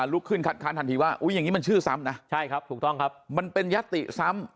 ลุกขึ้นคัดคันทันทีว่าอุ๊ยอย่างนี้มันชื่อซ้ำนะมันเป็นยัตติซ้ำ